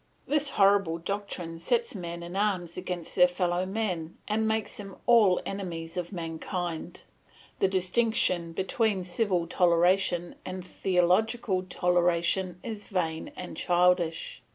This horrible doctrine sets men in arms against their fellow men, and makes them all enemies of mankind. The distinction between civil toleration and theological toleration is vain and childish.